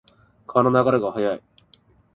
川の流れが速い。